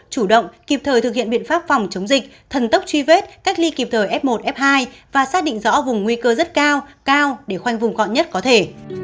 chủ động kịp thời thực hiện biện pháp phòng chống dịch thần tốc truy vết cách ly kịp thời f một f hai và xác định rõ vùng nguy cơ rất cao cao để khoanh vùng gọn nhất có thể